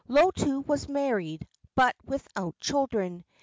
Lotu was married, but without children.